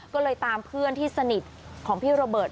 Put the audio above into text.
ก็เลยตามเพื่อนที่สนิทของพี่โรเบิร์ต